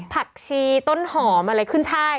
ผักชีต้นหอมอะไรขึ้นใช่